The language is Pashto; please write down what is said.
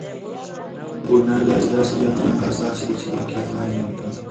هنر د یو داسې جهان انځور باسي چې پکې یوازې مینه وي.